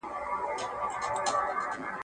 دا د پردیو اجل مه ورانوی.